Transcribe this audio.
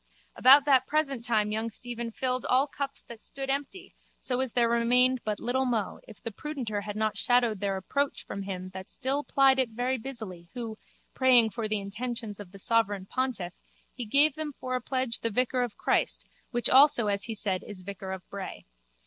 About that present time young Stephen filled all cups that stood empty so as there remained but little mo if the prudenter had not shadowed their approach from him that still plied it very busily who, praying for the intentions of the sovereign pontiff, he gave them for a pledge the vicar of Christ which also as he said is vicar of Bray.